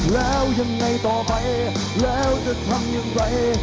แล้วยังไงต่อไปแล้วจะทำอย่างไร